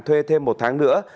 thuê thêm một tháng nữa